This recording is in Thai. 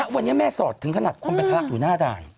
วันนี้แม่สอดถึงขนาดคนไปทะลักอยู่หน้าด่าน